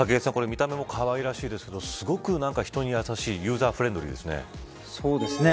見た目もかわいらしいですけどすごく人にやさしいユーザーフレンドリーですね。